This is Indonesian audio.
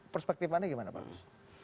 perspektifannya bagaimana pak agus